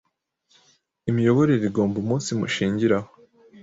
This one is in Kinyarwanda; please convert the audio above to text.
imiyoborere igomba umunsimushingiraho.